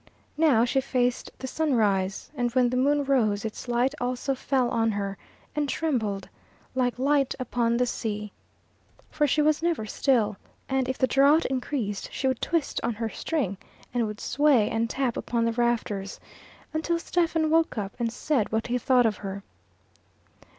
Now she faced the sunrise; and when the moon rose its light also fell on her, and trembled, like light upon the sea. For she was never still, and if the draught increased she would twist on her string, and would sway and tap upon the rafters until Stephen woke up and said what he thought of her.